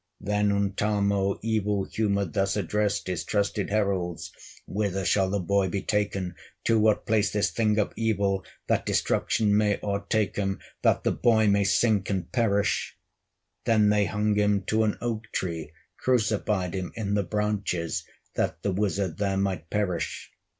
Then Untamo, evil humored, Thus addressed his trusted heralds: "Whither shall the boy be taken, To what place this thing of evil, That destruction may o'ertake him. That the boy may sink and perish?" Then they hung him to an oak tree, Crucified him in the branches, That the wizard there might perish.